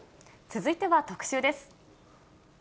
続いては特集です。